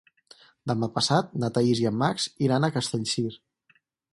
Demà passat na Thaís i en Max iran a Castellcir.